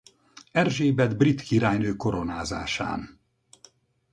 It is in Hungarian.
Erzsébet brit királynő koronázásán.